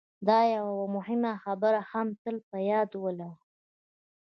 دا یوه مهمه خبره هم تل په یاد ولرئ